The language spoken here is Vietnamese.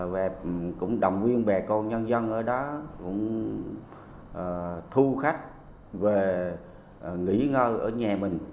và cũng đồng viên bè con nhân dân ở đó cũng thu khách về nghỉ ngơi ở nhà mình